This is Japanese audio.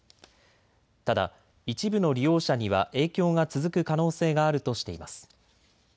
ただ、一部の利用者には影響が続く可能性があるとしています。